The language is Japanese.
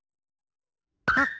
あっ！